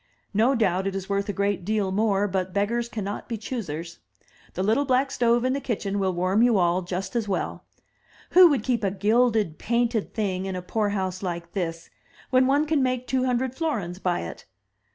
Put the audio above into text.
No doubt it is worth a great deal more — ^but beggars cannot be choosers. The little black stove in the kitchen will warm you all just as well. Who would keep a gilded, painted thing in a poor house like this, when one can make two hundred florins by it?